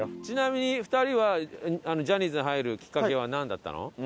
ちなみに２人はジャニーズに入るきっかけはなんだったの？